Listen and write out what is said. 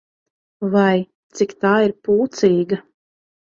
Vai, cik tā ir pūcīga!